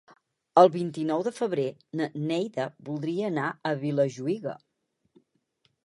El vint-i-nou de febrer na Neida voldria anar a Vilajuïga.